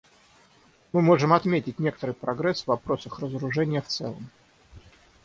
Мы можем отметить некоторый прогресс в вопросах разоружения в целом.